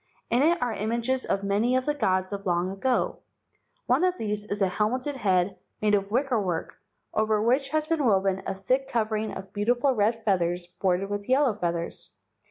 In it are images of many of the gods of long ago. One of these is a helmeted head made of wicker work, over which has been woven a thick covering of beau¬ tiful red feathers bordered with yellow feathers.